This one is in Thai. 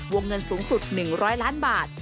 วงเงินสูงสุด๑๐๐ล้านบาท